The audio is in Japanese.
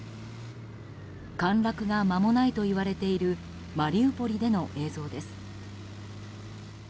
陥落が間もないといわれているマリウポリでの映像です。